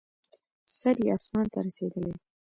سر یې اسمان ته رسېدلی.